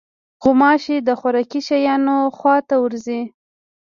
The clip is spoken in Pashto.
غوماشې د خوراکي شیانو خوا ته ورځي.